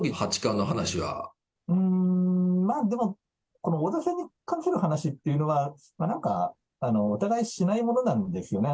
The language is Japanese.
うーん、まあでも、この王座戦に関する話っていうのは、なんか、お互いしないものなんですよね。